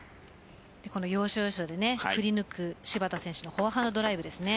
要所要所で振り抜く芝田選手のフォアハンドドライブですね。